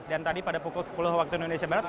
dan tadi pada pukul sepuluh waktu indonesia merah